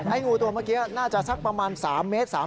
งูตัวเมื่อกี้น่าจะสักประมาณ๓เมตร